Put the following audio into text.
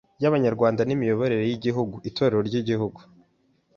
y’Abanyarwanda n’imiyoborere y’Igihugu. Itorero ry’Igihugu